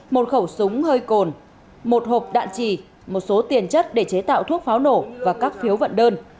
một khẩu súng hơi cồn một hộp đạn trì một số tiền chất để chế tạo thuốc pháo nổ và các phiếu vận đơn